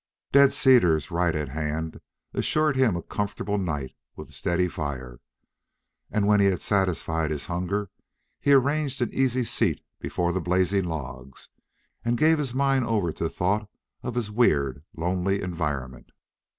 Dead cedars right at hand assured him a comfortable night with steady fire; and when he had satisfied his hunger he arranged an easy seat before the blazing logs, and gave his mind over to thought of his weird, lonely environment.